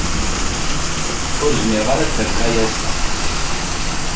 Ur zmireɣ ara ad fakeɣ aya ass-a.